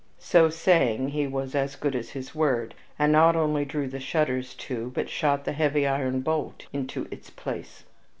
So saying he was as good as his word, and not only drew the shutters to, but shot the heavy iron bolt into its place.